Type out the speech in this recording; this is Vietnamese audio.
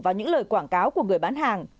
vào những lời quảng cáo của người bán hàng